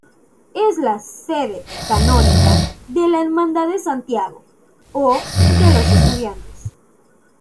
Es la sede canónica de la Hermandad de Santiago, o de los Estudiantes.